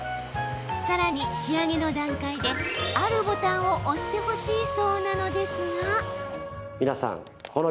さらに、仕上げの段階であるボタンを押してほしいそうなのですが。